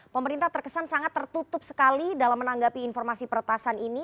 pemerintah terkesan sangat tertutup sekali dalam menanggapi informasi peretasan ini